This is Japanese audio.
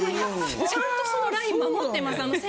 ちゃんとライン守ってます。